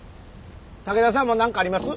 武田さんも何かあります？